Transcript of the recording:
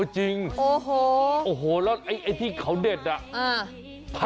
จริงแล้วไอ้ที่เขาเด็ดน่ะโอ้โฮ